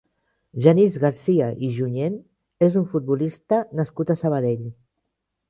Genís Garcia i Junyent és un futbolista nascut a Sabadell.